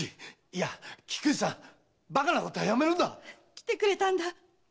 来てくれたんだ